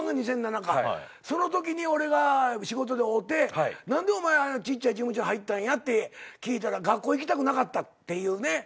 そのときに俺が仕事で会うて何でちっちゃい事務所入ったんやって聞いたら学校行きたくなかったっていうね。